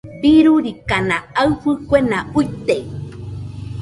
Birurikana aɨfo kuena uite.